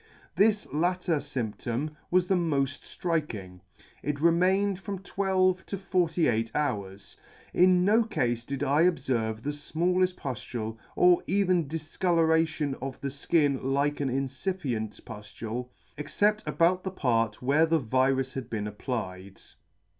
This latter fymptom was the molt Striking; it re mained from twelve to forty eight hours. In no cafe did I obferve the fmalleft puftule, or even difcolouration of the Ikin like an incipient puftule, except about the part where the virus had been applied.